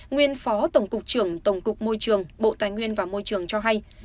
nguyên phó tổng cục trưởng tổng cục môi trường bộ tài nguyên và môi trường cho hay